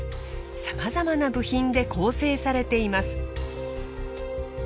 さまざまな部品で構成されています。